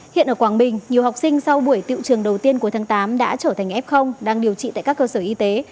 hiện ở quảng bình nhiều học sinh sau buổi tiệu trường đầu tiên cuối tháng tám đã trở thành f đang điều trị tại các cơ sở y tế